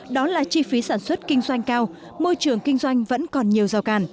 đó là chi phí sản xuất kinh doanh cao môi trường kinh doanh vẫn còn nhiều rào càn